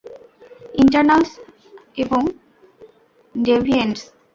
Eternals এবং ডেভিয়েন্টস!